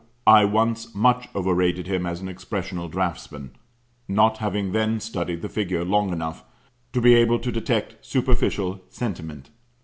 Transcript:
I once much overrated him as an expressional draughtsman, not having then studied the figure long enough to be able to detect superficial sentiment.